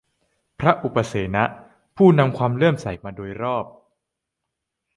พระอุปเสนะ ผู้นำความเลื่อมใสมาโดยรอบ